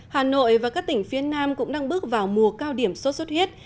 hà nội và các tỉnh phía nam cũng đang bước vào mùa cao điểm sốt xuất huyết